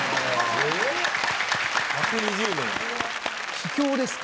秘境ですか？